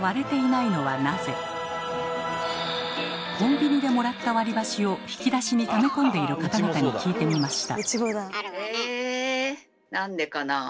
コンビニでもらった割り箸を引き出しにため込んでいる方々に聞いてみました。